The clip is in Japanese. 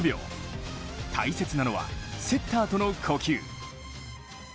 大切なのは、セッターとの呼吸。